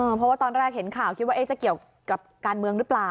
เพราะว่าตอนแรกเห็นข่าวคิดว่าจะเกี่ยวกับการเมืองหรือเปล่า